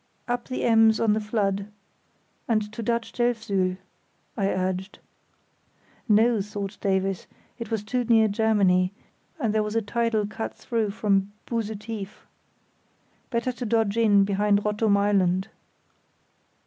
"Up the Ems on the flood, and to Dutch Delfzyl," I urged. No, thought Davies; it was too near Germany, and there was a tidal cut through from Buse Tief. Better to dodge in behind Rottum Island.